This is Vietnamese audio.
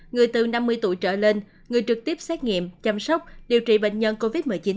người từ năm mươi tuổi trở lên người trực tiếp xét nghiệm chăm sóc điều trị bệnh nhân covid một mươi chín